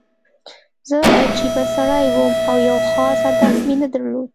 زه عجیبه سړی وم او یو خاص هدف مې نه درلود